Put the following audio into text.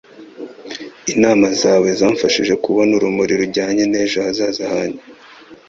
Inama zawe zamfashije kubona urumuri rujyanye n'ejo hazaza hanjye.